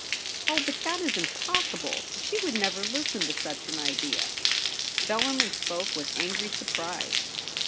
* Oh, but that is impossible. She would never listen to such an idea.' Bellarmin spoke with angry surprise.